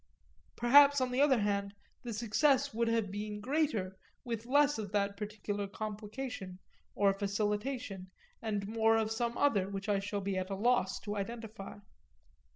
Perhaps on the other hand the success would have been greater with less of that particular complication or facilitation and more of some other which I shall be at a loss to identify.